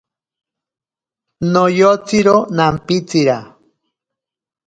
Noyotsiro nampitsira.